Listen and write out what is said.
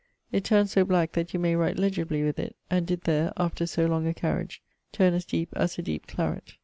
It turnes so black that you may write legibly with it, and did there, after so long a carriage, turne as deepe as a deepe claret.